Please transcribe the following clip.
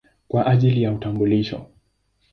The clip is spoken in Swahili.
kwa ajili ya utambulisho.